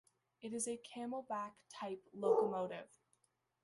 It is a camelback-type locomotive.